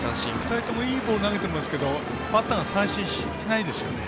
２人ともいいボール投げてますけどバッターが三振しないですよね。